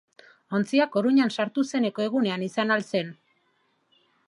Ontzia Coruñan sartu zeneko egunean izan al zen?